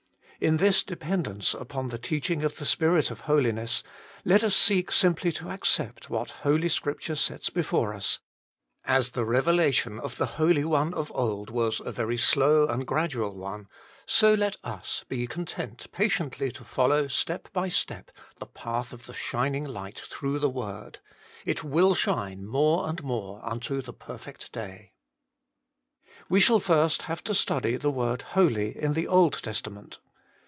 In this dependence upon the teaching of the Spirit of Holiness, let us seek simply to accept what Holy Scripture sets before us ; as the revela tion of the Holy One of old was a very slow and gradual one, so let us be content patiently to follow step by step the path of the shining light through the Word ; it will shine more and more unto the perfect day. We shall first have to study the word Holy in the Old Testament.